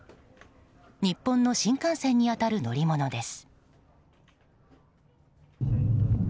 日本の新幹線に当たる乗り物です。